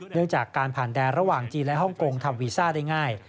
เรื่องจากการผ่านแดนระหว่างจีนและฮ่องกงทำวีซ่าได้ง่าย